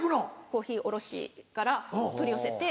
コーヒー卸から取り寄せて。